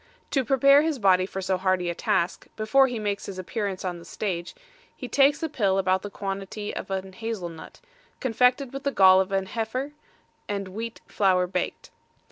To prepare his body for so hardy a task, before he makes his appearance on the stage, he takes a pill about the quantity of a hazel nut, confected with the gall of an heifer, and wheat flour baked.